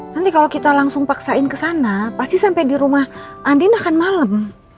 nanti kalau kita langsung paksain kesana pasti sampai di rumah andi akan malem